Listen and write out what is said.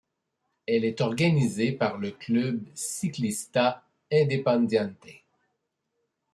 Elle est organisée par le Club Ciclista Independiente.